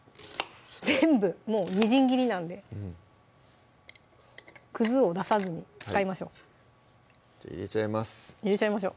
全部もうみじん切りなんでくずを出さずに使いましょう入れちゃいます入れちゃいましょう